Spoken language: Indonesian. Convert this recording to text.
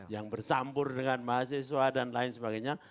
yang bercampur dengan mahasiswa dan lain sebagainya